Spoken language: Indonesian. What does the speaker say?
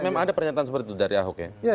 memang ada pernyataan seperti itu dari ahok ya